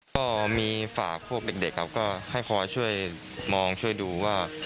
ก็มีฝากพวกเด็กก็ค่อยช่วยมองช่วยดูว่า